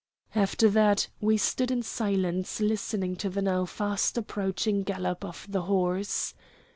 After that we stood in silence listening to the now fast approaching gallop of the horse.